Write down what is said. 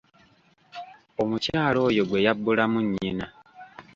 Omukyala oyo gwe yabbulamu nnyina.